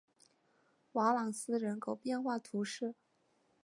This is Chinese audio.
瓦朗斯人口变化图示